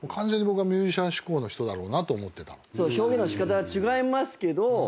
表現の仕方は違いますけど。